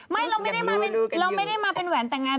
ไม่เราไม่ได้มาเป็นแหวนแต่งงาน